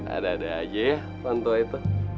ada ada aja ya contoh itu